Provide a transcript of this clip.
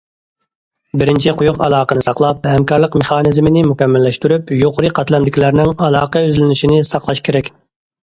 بىرىنچى، قويۇق ئالاقىنى ساقلاپ، ھەمكارلىق مېخانىزمىنى مۇكەممەللەشتۈرۈپ، يۇقىرى قاتلامدىكىلەرنىڭ ئالاقە يۈزلىنىشىنى ساقلاش كېرەك.